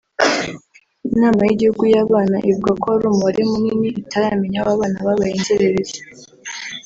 Inama y’Igihugu y’Abana ivuga ko hari umubare munini (itaramenya) w’abana babaye inzererezi